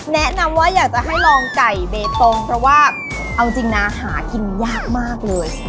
แนะนำว่าอยากจะให้ลองไก่เบตงเพราะว่าเอาจริงนะหากินยากมากเลย